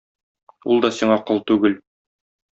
Ул да сиңа кол түгел;